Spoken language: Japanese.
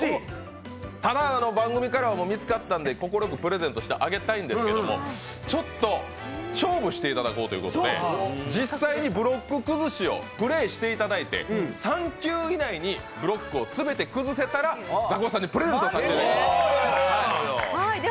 ただ、番組から見つかったんでプレゼントしてあげたいんですけどちょっと勝負していただこうということで実際にブロック崩しをプレーしていただいて、３球以内にブロックを詰めて崩せたらザコシさんにプレゼントします。